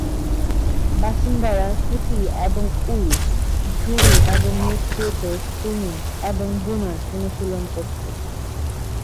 বাসিন্দারা সুতি এবং উল, ঝুড়ি এবং মৃৎশিল্পের স্পিনিং এবং বুনন অনুশীলন করত।